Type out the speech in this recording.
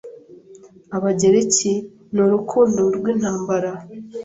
Abagereki ni urukundo rwintambara